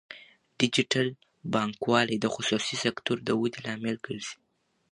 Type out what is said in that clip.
ډیجیټل بانکوالي د خصوصي سکتور د ودې لامل ګرځي.